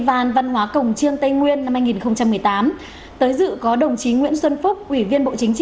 với những cổ động viên